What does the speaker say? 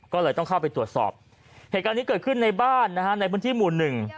ก็เลยต้องเข้าไปตรวจสอบเหตุการณ์นี้เกิดขึ้นในบ้านนะฮะในพื้นที่หมู่หนึ่ง